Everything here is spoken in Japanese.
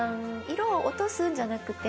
色を落とすんじゃなくて。